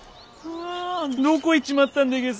どこ行っちまったんでげす？